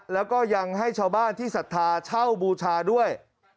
แล้วก็ยังให้ชาวบ้านที่ศรัทธาเช่าบูชาด้วย